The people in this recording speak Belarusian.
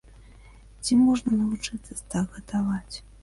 Дзе можна навучыцца так гатаваць?